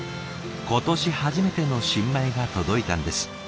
今年初めての新米が届いたんです。